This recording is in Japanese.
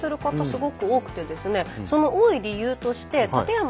すごく多くてですねその多い理由としてへえ！